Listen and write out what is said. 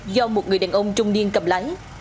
do một người đàn ông trung niên cầm lái